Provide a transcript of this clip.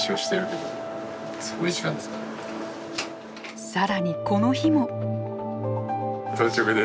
更にこの日も。